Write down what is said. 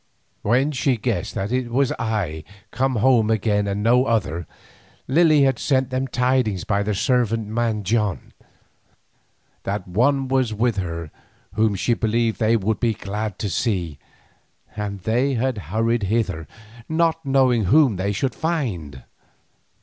When she guessed that it was I come home again and no other, Lily had sent them tidings by the servant man John, that one was with her whom she believed they would be glad to see, and they had hurried hither, not knowing whom they should find.